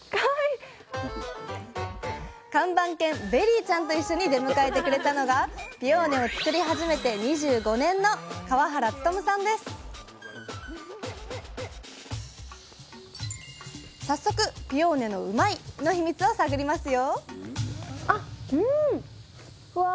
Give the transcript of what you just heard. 看板犬ベリーちゃんと一緒に出迎えてくれたのがピオーネを作り始めて２５年の早速ピオーネのうまいッ！のヒミツを探りますよ！